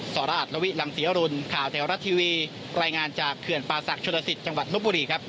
สระอัตลวิหลังศรีอรุณข่าวแถวรัฐทีวีรายงานจากเขื่อนป่าศักดิชลสิตจังหวัดลบบุรีครับ